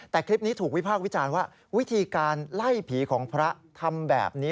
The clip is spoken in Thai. แต่คลิปนี้ถูกวิพากษ์วิจารณ์ว่าวิธีการไล่ผีของพระทำแบบนี้